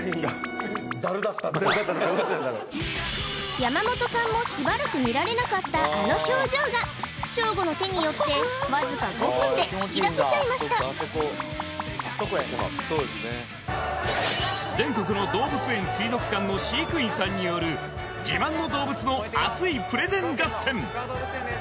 山本さんもしばらく見られなかったあの表情がショーゴの手によってわずか５分で引き出せちゃいました全国の動物園水族館の飼育員さんによる自慢の動物の熱いプレゼン合戦